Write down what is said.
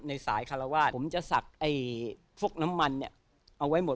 ในสายคารวาสผมจะสักพวกน้ำมันเนี่ยเอาไว้หมด